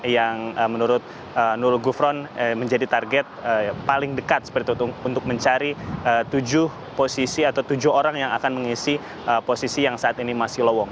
yang menurut nul gufron menjadi target paling dekat seperti itu untuk mencari tujuh posisi atau tujuh orang yang akan mengisi posisi yang saat ini masih lowong